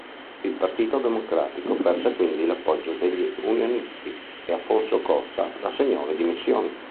Il Partito democratico perse quindi l’appoggio degli unionisti e Afonso Costa rassegnò le dimissioni.